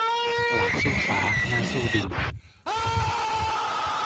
หลังสู้ฟ้าหน้าสู้ดิน